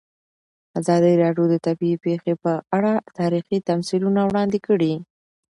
ازادي راډیو د طبیعي پېښې په اړه تاریخي تمثیلونه وړاندې کړي.